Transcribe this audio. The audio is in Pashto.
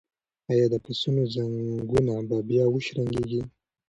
ایا د پسونو زنګونه به بیا وشرنګیږي؟